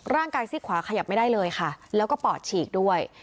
ซี่ขวาขยับไม่ได้เลยค่ะแล้วก็ปอดฉีกด้วย